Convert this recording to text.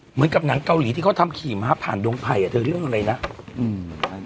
เหมือนกับหนังเกาหลีที่เขาทำขี่ม้าผ่านดวงไผ่อ่ะเธอเรื่องอะไรนะอืม